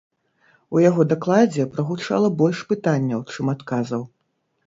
У яго дакладзе прагучала больш пытанняў, чым адказаў.